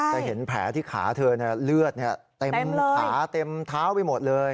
จะเห็นแผลที่ขาเธอเลือดเต็มขาเต็มเท้าไปหมดเลย